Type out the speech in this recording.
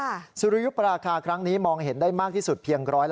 สุริยุปราคาครั้งนี้มองเห็นได้มากที่สุดเพียง๑๕